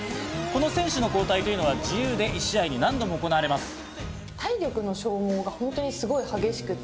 この選手の交代というのは自由で、１試合に何度も行われます。